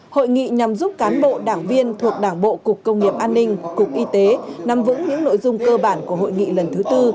hội nghị nhằm giúp cán bộ đảng viên thuộc đảng bộ cục công nghiệp an ninh cục y tế nắm vững những nội dung cơ bản của hội nghị lần thứ tư